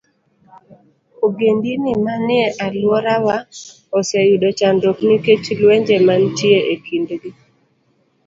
Ogendini manie alworano oseyudo chandruok nikech lwenje mantie e kindgi.